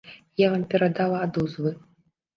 Я вам перадала адозвы.